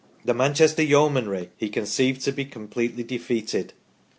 the Manchester Yeomanry he conceived to be completely defeated